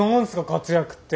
活躍って。